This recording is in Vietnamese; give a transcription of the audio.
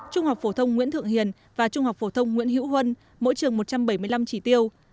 trung học phổ thông nguyễn thượng hiền và trung học phổ thông nguyễn hữu huân mỗi trường một trăm bảy mươi năm chỉ tiêu